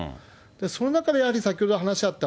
その中でやはり、先ほど話があった